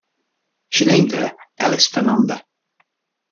She named her Elisa Fernanda.